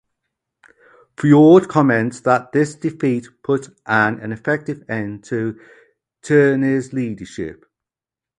Foord comments that "this defeat put an effective end to Tierney's leadership".